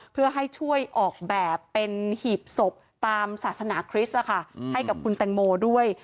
เพื่อให้ช่วยออกแบบเป็นหีบศพตามศาสนาคริสต์ให้กับคุณแตงโมด้วย